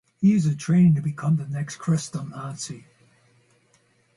He is in training to become the next Chrestomanci.